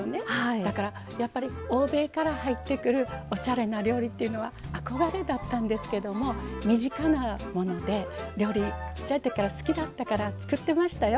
だからやっぱり欧米から入ってくるおしゃれな料理っていうのは憧れだったんですけども身近なもので料理ちっちゃい時から好きだったから作ってましたよ。